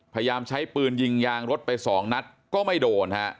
พยายามใช้ปืนยิงยางรถไปสองนัดก็ไม่โดนฮะ